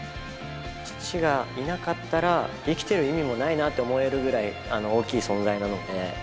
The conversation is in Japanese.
父がいなかったら、生きてる意味もないなって思えるぐらい大きい存在なので。